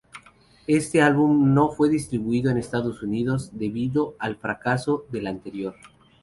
Este álbum no fue distribuido en Estados Unidos, debido al fracaso del anterior.